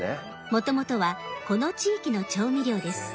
もともとはこの地域の調味料です。